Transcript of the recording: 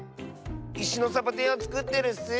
いしのサボテンをつくってるッス！